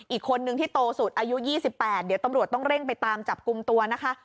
อีกคนนึงที่โตสุดอายุ๒๘เดี๋ยวตำรวจต้องเร่งไปตามจับกลุ่มตัวนะคะ